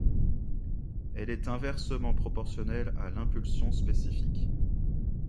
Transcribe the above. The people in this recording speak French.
Elle est inversement proportionnelle à l'impulsion spécifique.